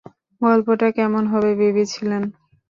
গল্পটা কেমন হবে ভেবেছিলেন?